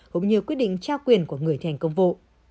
cũng như quyết định trao quyền của người thi hành công vụ